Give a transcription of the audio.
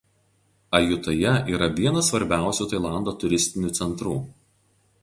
Ajutaja yra vienas svarbiausių Tailando turistinių centrų.